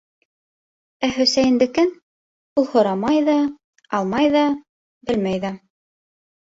Ә Хөсәйендекен ул һорамай ҙа, алмай ҙа, белмәй ҙә.